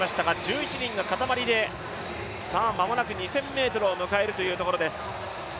間もなく２０００ｍを迎えるというところです。